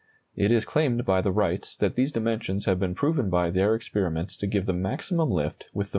It is claimed by the Wrights that these dimensions have been proven by their experiments to give the maximum lift with the minimum weight.